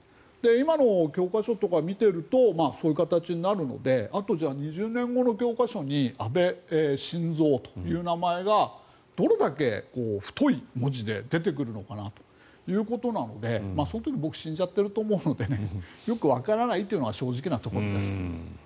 今の教科書とかを見ているとそういう形になるのであと２０年後の教科書に安倍晋三という名前がどれだけ太い文字で出てくるのかなということなのでその時は僕は死んじゃっていると思うのでよくわからないというのが正直なところです。